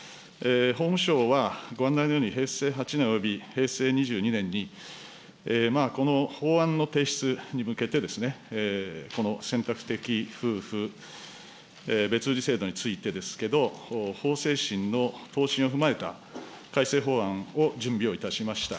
法務省は、ご案内のように平成８年および平成２２年にこの法案の提出に向けて、選択的夫婦別氏制度についてですけど、法制審の答申を踏まえた改正法案を準備をいたしました。